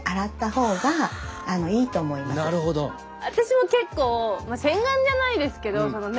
私も結構洗顔じゃないですけどもちろん。